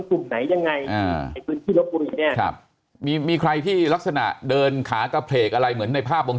กลุ่มไหนยังไงมีใครมีลักษณะเดินขาก็เผกอะไรเหมือนในภาพวง